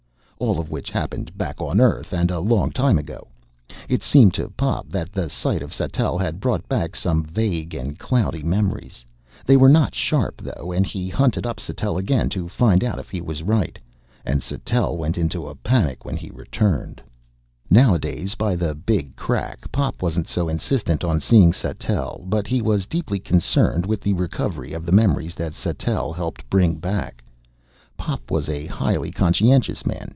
All of which happened back on Earth and a long time ago. It seemed to Pop that the sight of Sattell had brought back some vague and cloudy memories. They were not sharp, though, and he hunted up Sattell again to find out if he was right. And Sattell went into panic when he returned. Nowadays, by the Big Crack, Pop wasn't so insistent on seeing Sattell, but he was deeply concerned with the recovery of the memories that Sattell helped bring back. Pop was a highly conscientious man.